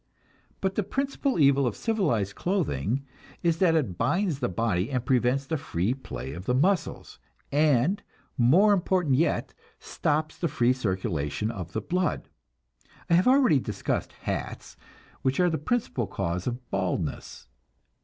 But the principal evil of civilized clothing is that it binds the body and prevents the free play of the muscles, and, more important yet, stops the free circulation of the blood. I have already discussed hats, which are the principal cause of baldness.